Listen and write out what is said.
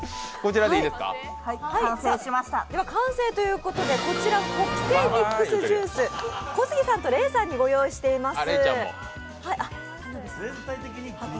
では、完成ということで特製ミックスジュース、小杉さんとレイさんにご用意しています。